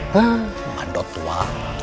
hah mandok tua